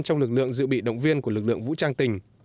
trong lực lượng dự bị động viên của lực lượng vũ trang tỉnh